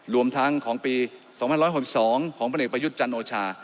รวมทั้งของปี๒๑๖๒ของพลเอกประยุทธ์จันโอชา